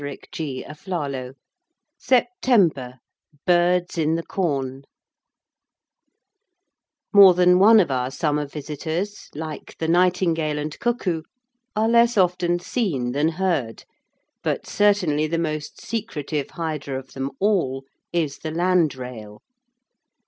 SEPTEMBER BIRDS IN THE CORN BIRDS IN THE CORN More than one of our summer visitors, like the nightingale and cuckoo, are less often seen than heard, but certainly the most secretive hider of them all is the landrail.